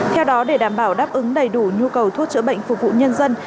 theo đó để đảm bảo đáp ứng đầy đủ nhu cầu thuốc chữa bệnh phục vụ nhân dân